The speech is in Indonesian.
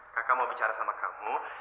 kakak mau bicara sama kamu